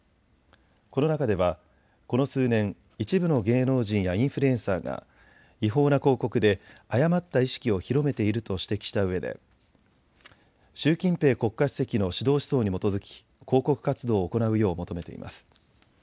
この中では、この数年、一部の芸能人やインフルエンサーが違法な広告で誤った意識を広めていると指摘したうえで習近平国家主席の指導思想に基づき広告活動を行うよう求めています。